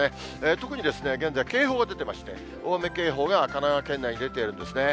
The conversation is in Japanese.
特に現在、警報が出てまして、大雨警報が神奈川県内に出ているんですね。